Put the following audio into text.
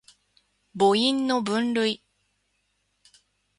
母音の分類